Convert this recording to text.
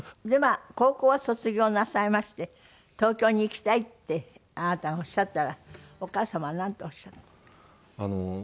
で高校は卒業なさいまして東京に行きたいってあなたがおっしゃったらお母様はなんとおっしゃったの？